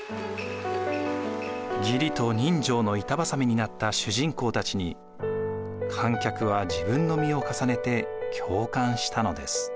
義理と人情の板挟みになった主人公たちに観客は自分の身を重ねて共感したのです。